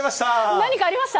何かありました？